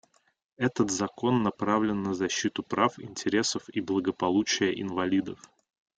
Этот закон направлен на защиту прав, интересов и благополучия инвалидов.